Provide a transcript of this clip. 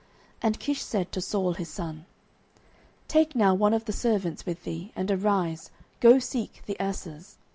And Kish said to Saul his son, Take now one of the servants with thee, and arise, go seek the asses.